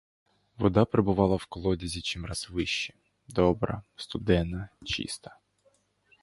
Вода прибувала в колодязі чимраз вище, добра, студена, чиста.